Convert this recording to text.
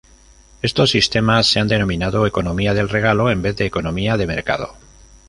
Estos sistemas se han denominado economía del regalo en vez de economía de mercado.